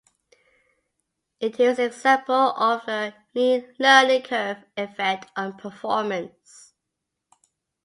It is an example of the learning curve effect on performance.